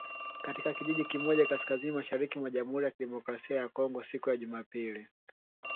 katika kijiji kimoja kaskazini mashariki mwa Jamhuri ya Kidemokrasi ya Kongo siku ya Jumapili